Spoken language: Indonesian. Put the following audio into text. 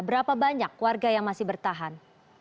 berapa banyak warga yang masih bertahan